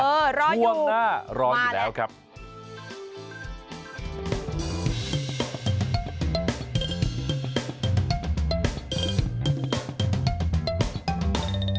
เออรออยู่มาเลยครับช่วงหน้ารออยู่แล้วครับเออรออยู่